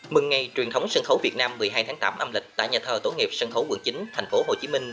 mừng ngày truyền thống sân khấu việt nam một mươi hai tháng tám âm lịch tại nhà thờ tổ nghiệp sân khấu quận chín thành phố hồ chí minh